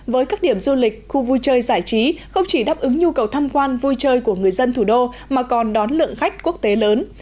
với các điểm du lịch khu vui chơi giải trí không chỉ đáp ứng nhu cầu tham quan vui chơi của người dân thủ đô mà còn đón lượng khách quốc tế lớn